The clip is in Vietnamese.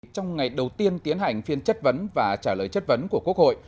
trong ngày đầu tiên tiến hành phiên chất vấn và trả lời chất vấn của quốc hội